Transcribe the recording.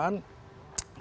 pada saat bersamaan